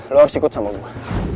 lo harus ikut sama gue